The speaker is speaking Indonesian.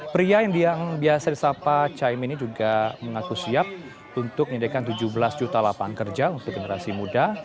pria yang biasa disapa caimin ini juga mengaku siap untuk menyediakan tujuh belas juta lapangan kerja untuk generasi muda